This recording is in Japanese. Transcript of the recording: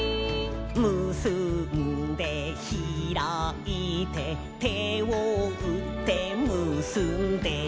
「むすんでひらいて」「手をうってむすんで」